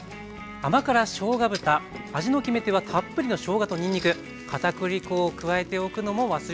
甘辛しょうが豚味の決め手はたっぷりのしょうがとにんにく片栗粉を加えておくのも忘れずに。